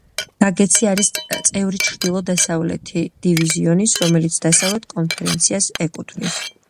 ნაგეტსი არის წევრი ჩრდილო-დასავლეთი დივიზიონის, რომელიც დასავლეთ კონფერენციას ეკუთვნის.